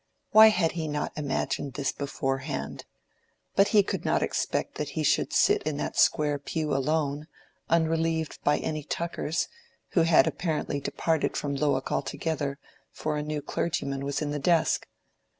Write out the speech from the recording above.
Why had he not imagined this beforehand?—but he could not expect that he should sit in that square pew alone, unrelieved by any Tuckers, who had apparently departed from Lowick altogether, for a new clergyman was in the desk.